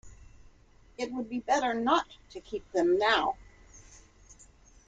It would be better not to keep them now.